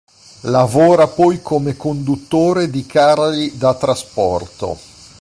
Lavora poi come conduttore di carri da trasporto.